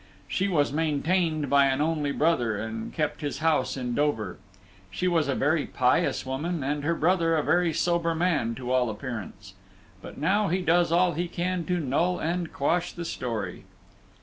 She was maintained by an only brother, and kept his house in Dover. She was a very pious woman, and her brother a very sober man to all appearance; but now he does all he can to null and quash the story.